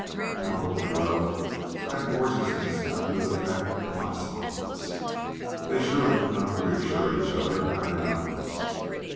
Probably, though, that gorgeousness had a good effect upon his followers. They surely could not reassure each other by their numbers!